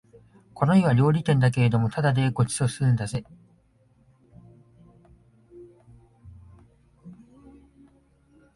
この家は料理店だけれどもただでご馳走するんだぜ